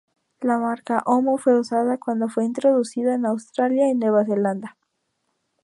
La marca Omo fue usada cuando fue introducido en Australia y Nueva Zelanda.